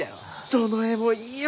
どの絵もいいよ！